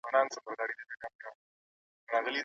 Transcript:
کمپيوټر زموږ کارونه ډېر زر راخلاصوي.